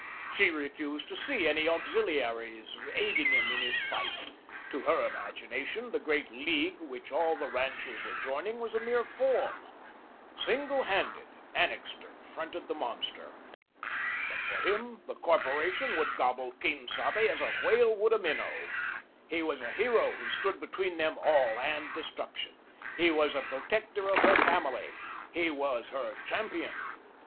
She refused to see any auxiliaries aiding him in his fight. To her imagination, the great League, which all the ranchers were joining, was a mere form. Single handed, Annixter fronted the monster. But for him the corporation would gobble Quien Sabe, as a whale would a minnow. He was a hero who stood between them all and destruction. He was a protector of her family. He was her champion.